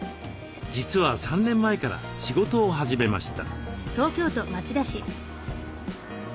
実は３年前から仕事を始めました。